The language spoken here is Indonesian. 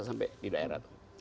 sampai di daerah